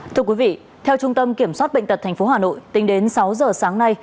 thưa quý vị theo trung tâm kiểm soát bệnh tật tp hà nội tính đến sáu giờ sáng nay